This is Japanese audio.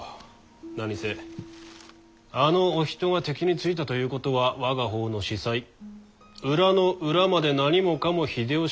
何せあのお人が敵についたということは我が方の子細裏の裏まで何もかも秀吉に渡ったと見るべきでござる。